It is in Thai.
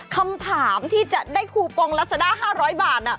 คำถามที่จะได้คูปองรัศด้า๕๐๐บาท